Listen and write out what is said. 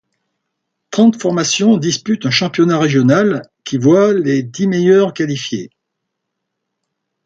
Trente formations disputent un championnat régional qui voit les dix meilleurs qualifiés.